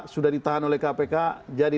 sudah ditahan oleh kpk jadi